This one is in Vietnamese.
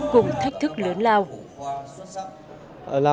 cùng thách thức lớn lao